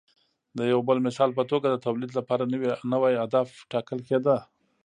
د یو بل مثال په توګه د تولید لپاره نوی هدف ټاکل کېده